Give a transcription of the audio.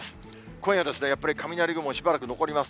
今夜ですね、やっぱり雷雲、しばらく残ります。